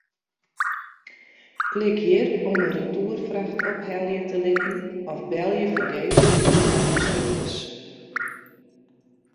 Klik hjir om in retoerfracht ophelje te litten of belje fergees ús klanteservice.